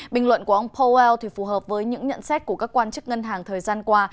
bình luận của ông powell thì phù hợp với những nhận xét của các quan chức ngân hàng thời gian qua